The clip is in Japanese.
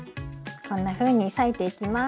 こんなふうにさいていきます。